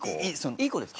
いい子ですか？